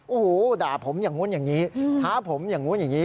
โอ้โหด่าผมอย่างนู้นอย่างนี้ท้าผมอย่างนู้นอย่างนี้